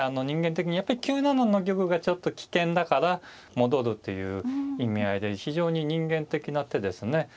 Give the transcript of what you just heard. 人間的にやっぱり９七の玉がちょっと危険だから戻るという意味合いで非常に人間的な手ですね。